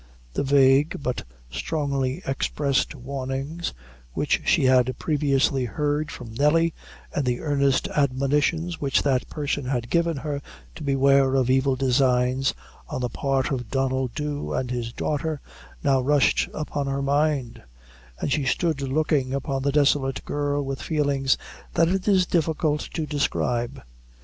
The vague, but strongly expressed warnings which she had previously heard from Nelly, and the earnest admonitions which that person had given her to beware of evil designs on the part of Donnel Dhu and his daughter, now rushed upon her mind; and she stood looking upon the desolate girl with feelings that it is difficult to describe.